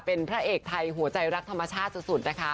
เป็นพระเอกไทยหัวใจรักธรรมชาติสุดนะคะ